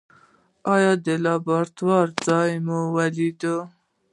ایا د لابراتوار ځای مو ولید؟